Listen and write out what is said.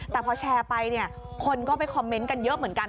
แต่พอแชร์ไปเนี่ยคนก็ไปคอมเมนต์กันเยอะเหมือนกัน